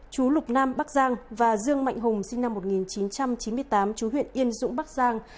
chú lục nam bắc giang và dương mạnh hùng sinh năm một nghìn chín trăm chín mươi tám chú huyện yên dũng bắc giang